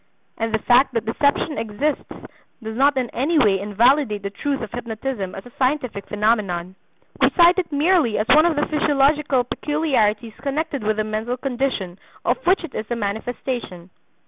And the fact that deception exists does not in any way invalidate the truth of hypnotism as a scientific phenomenon. We cite it merely as one of the physiological peculiarities connected with the mental condition of which it is a manifestation.